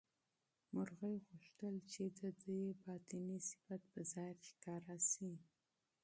مرغۍ غوښتل چې د ده باطني صفت په ظاهر ښکاره شي.